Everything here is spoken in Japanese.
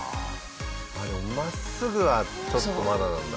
でも真っすぐはちょっとまだなんだ。